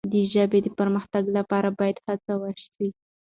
د ژبې د پرمختګ لپاره باید هڅه وسي.